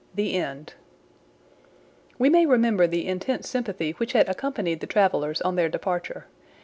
THE END We may remember the intense sympathy which had accompanied the travelers on their departure.